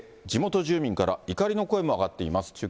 地元住民から怒りの声も上がっています。